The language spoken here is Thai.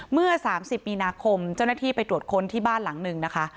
เมื่อ๓๐มีนาคมเจ้าหน้าที่ไปตรวจค้นที่บ้านหลังหนึ่งนะคะ